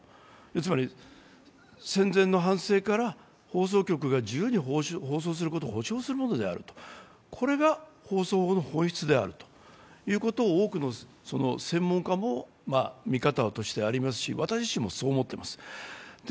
つまり、戦前の反省から放送局が自由に放送するものを保障するのである、これが放送法の本質であるということを多くの専門家も見方としてありますし、私自身もそう思ってます。